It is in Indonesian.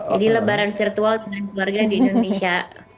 jadi lebaran virtual dengan keluarga di indonesia